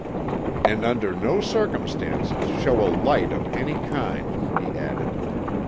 "And under no circumstances show a light of any kind," he added.